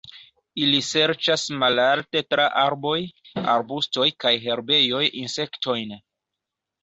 Ili serĉas malalte tra arboj, arbustoj kaj herbejoj insektojn.